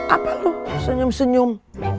apa lo senyum senyum